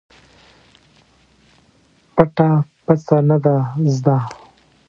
پټه پڅه نه ده زده.